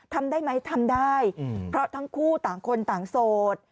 ทำได้ไหมทำได้เพราะทั้งคู่ต่างคนต่างโสด